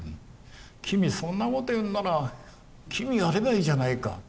君そんなこと言うんなら君やればいいじゃないか。